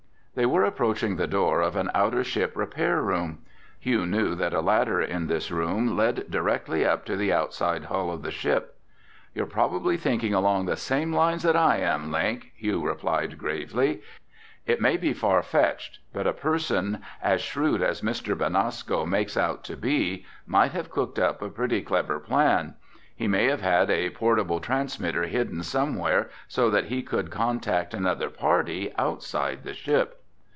They were approaching the door of an outer ship repair room. Hugh knew that a ladder in this room led directly up to the outside hull of the ship. "You're probably thinking along the same lines that I am, Link," Hugh replied gravely. "It may be farfetched, but a person as shrewd as Mr. Benasco makes out to be might have cooked up a pretty clever plan. He may have had a portable transmitter hidden somewhere so that he could contact another party outside the ship."